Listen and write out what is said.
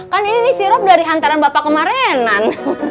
kan ini sirop dari hantaran bapak kemarenan